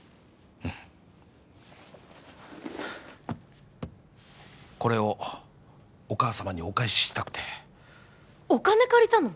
うんこれをお義母様にお返ししたくてお金借りたの？